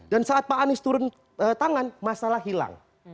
dan saat pak anies turun tangan masalah hilang